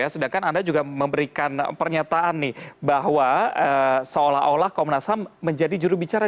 sedangkan anda juga memberikan pernyataan bahwa seolah olah komnas ham menjadi juru bicara